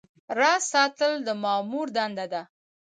راز ساتل د مامور دنده ده